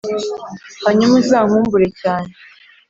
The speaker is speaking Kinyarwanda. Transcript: hanyuma uzankumbure cyane